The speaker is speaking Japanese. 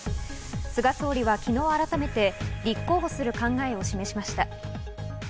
菅総理は昨日、改めて立候補する考えを示しました。